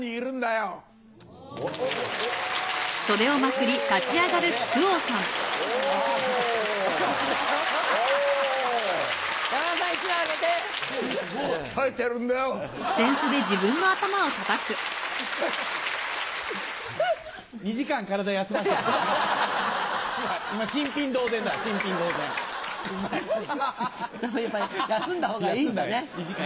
うまい！やっぱ休んだほうがいいんだね。